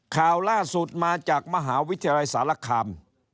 ข่าวล่าสุดมาจากมหาวิทยาลัยสารคาม